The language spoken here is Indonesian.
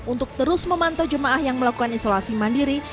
untuk terus memantau jemaah yang melakukan isolasi mandiri